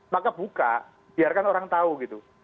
maka buka biarkan orang tahu gitu